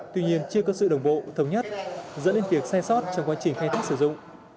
tuy nhiên chưa có sự đồng bộ thống nhất dẫn đến việc sai sót trong quá trình khai thác sử dụng